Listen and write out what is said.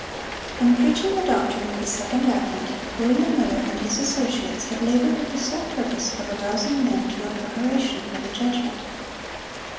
] In preaching the doctrine of the second advent, William Miller and his associates had labored with the sole purpose of arousing men to a preparation for the judgment.